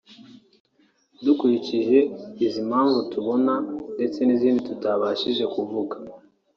Dukurikije izi mpamvu tubonye ndetse n’izindi tutabashije kuvuga